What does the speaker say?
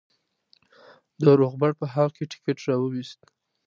د روغبړ په حال کې ټکټ را وایست.